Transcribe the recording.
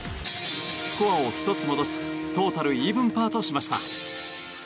スコアを１つ戻しトータルイーブンパーとしました。